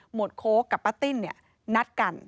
วดโค้กกับป้าติ้นนัดกัน